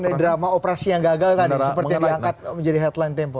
mengenai drama operasi yang gagal tadi seperti diangkat menjadi headline tempo